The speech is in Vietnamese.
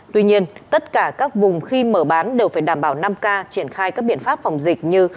tuy nhiên tất cả các vùng khi mở bán đều phải đảm bảo năm k triển khai các biện pháp phòng dịch như